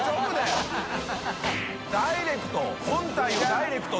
ダイレクト？